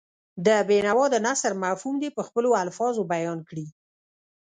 د بېنوا د نثر مفهوم دې په خپلو الفاظو بیان کړي.